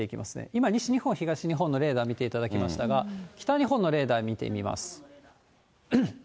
今、西日本、東日本のレーダー見ていただきましたが、北日本のレーダー見てみます。